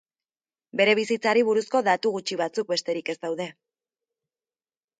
Bere bizitzari buruzko datu gutxi batzuk besterik ez daude.